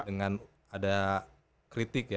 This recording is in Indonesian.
dengan ada kritik ya